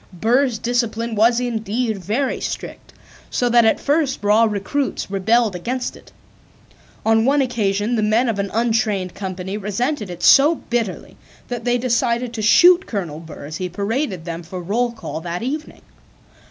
Burr's discipline was indeed very strict, so that at first raw recruits rebelled against it. On one occasion the men of an untrained company resented it so bitterly that they decided to shoot Colonel Burr as he paraded them for roll call that evening.